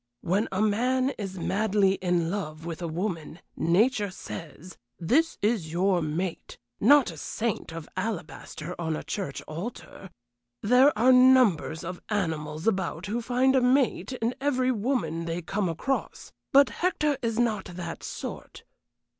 When a man is madly in love with a woman, nature says, 'This is your mate,' not a saint of alabaster on a church altar. There are numbers of animals about who find a 'mate' in every woman they come across. But Hector is not that sort.